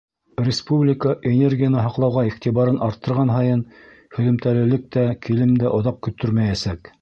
Республика энергияны һаҡлауға иғтибарын арттырған һайын, һөҙөмтәлелек тә, килем дә оҙаҡ көттөрмәйәсәк.